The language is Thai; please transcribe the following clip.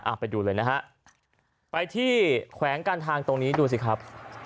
ไปดูเลยนะฮะไปที่แขวงการทางตรงนี้ดูสิครับ